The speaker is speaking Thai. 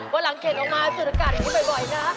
วันหลังเขตออกมาสูดอากาศอย่างนี้บ่อยนะ